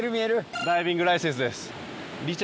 ダイビングライセンスです。